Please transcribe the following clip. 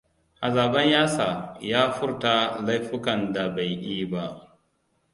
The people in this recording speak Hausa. Azaban yasa ya furta laifukan da bai yi ba.